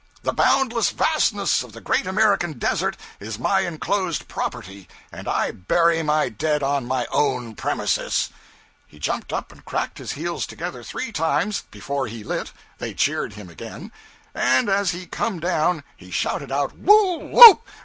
The boundless vastness of the great American desert is my enclosed property, and I bury my dead on my own premises!' He jumped up and cracked his heels together three times before he lit (they cheered him again), and as he come down he shouted out: 'Whoo oop!